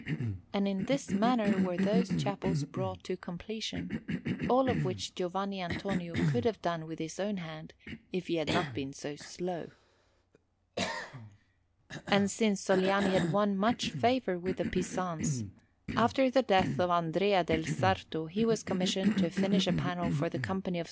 And in this manner were those chapels brought to completion, all of which Giovanni Antonio could have done with his own hand if he had not been so slow. And since Sogliani had won much favour with the Pisans, after the death of Andrea del Sarto he was commissioned to finish a panel for the Company of S.